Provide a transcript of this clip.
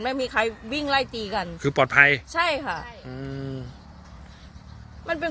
ไม่มีใครวิ่งไล่ตีกันคือปลอดภัยใช่ค่ะใช่อืมมันเป็น